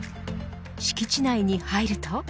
敷地内に入ると。